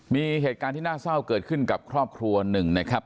มีเหตุการณ์ที่น่าเศร้าเกิดขึ้นกับครอบครัวหนึ่งนะครับ